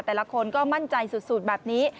แต่ละคนก็มั่นใจสุดแบบนี้